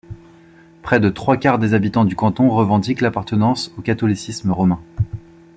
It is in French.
Près des trois quarts des habitants du canton revendiquent l'appartenance au catholicisme romain.